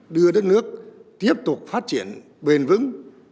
đưa đất nước tiếp tục phát triển bền vững